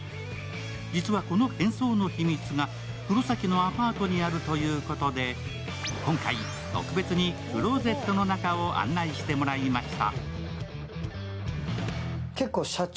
実はこの変装の秘密が黒崎のアパートにあるということで今回、特別にクローゼットの中を案内していただきました。